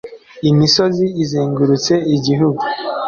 imisozi izengurutse igihugu.